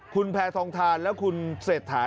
คุณแพทองทานและคุณเศรษฐา